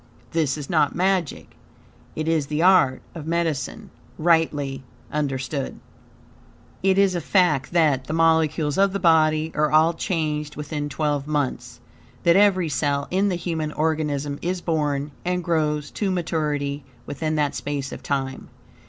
THIS IS NOT MAGIC; IT IS THE ART OF MEDICINE, RIGHTLY UNDERSTOOD." It is a fact that, the molecules of the body are all changed within twelve months; that every cell in the human organism is born and grows to maturity within that space of time.